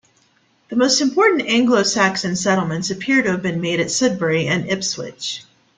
The most important Anglo-Saxon settlements appear to have been made at Sudbury and Ipswich.